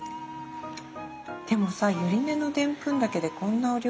でもさユリ根のデンプンだけでこんなお料理。